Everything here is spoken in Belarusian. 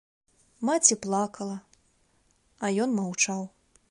Маці плакала, а ён маўчаў.